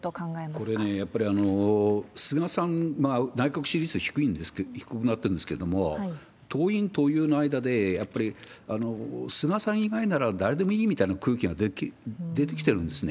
これね、やっぱり菅さん、内閣支持率低くなってるんですけれども、党員、党友の間で、やっぱり菅さん以外なら誰でもいいみたいな空気が出てきてるんですね。